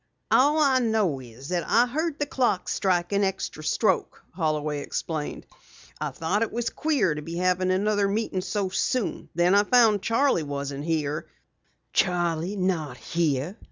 "All I know is that I heard the clock strike an extra stroke," Holloway explained. "I thought it was queer to be having another meeting so soon. Then I found Charley wasn't here " "Charley not here!"